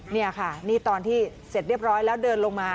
นี่ค่ะนี่ตอนที่เสร็จเรียบร้อยแล้วเดินลงมา